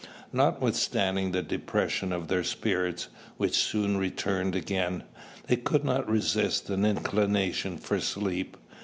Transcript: Notwithstanding the depression of their spirits, which soon returned again, they could not resist an inclination for sleep.